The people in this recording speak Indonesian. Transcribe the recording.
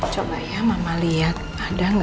coba ya mama liat ada gak sih